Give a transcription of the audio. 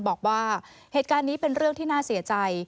บอกว่าเหตุการณ์นี้เป็นเรื่องที่น่าเสียใจ